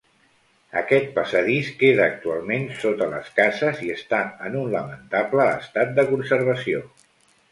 Aquest passadís queda actualment sota les cases i està en un lamentable estat de conservació.